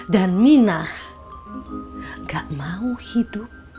dan mina gak mau hidup